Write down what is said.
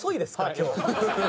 今日。